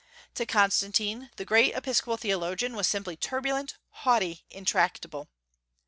To Constantine the great episcopal theologian was simply "turbulent," "haughty," "intractable."